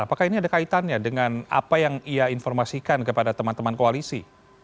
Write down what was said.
apakah ini ada kaitannya dengan apa yang ia informasikan kepada teman teman koalisi